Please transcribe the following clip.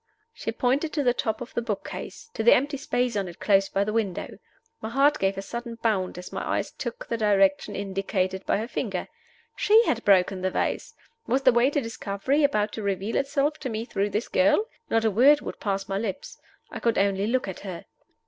She pointed to the top of the book case to the empty space on it close by the window. My heart gave a sudden bound as my eyes took the direction indicated by her finger. She had broken the vase! Was the way to discovery about to reveal itself to me through this girl? Not a word would pass my lips; I could only look at her.